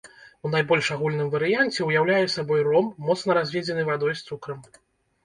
У найбольш агульным варыянце, уяўляе сабой ром, моцна разведзены вадой з цукрам.